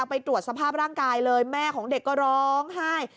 ไปตรวจสภาพร่างกายเลยแม่ของเด็กก็ร้องไห้